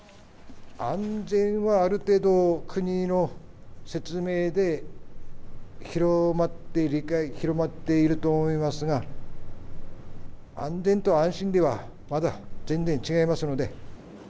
安全はある程度、国の説明で広まって、広まっていると思いますが、安全と安心ではまだ全然違いますので。